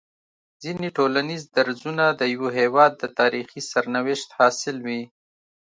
ځيني ټولنيز درځونه د يوه هيواد د تاريخي سرنوشت حاصل وي